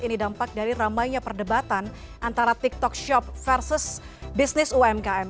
ini dampak dari ramainya perdebatan antara tiktok shop versus bisnis umkm